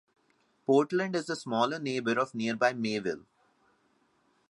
Portland is the smaller neighbor of nearby Mayville.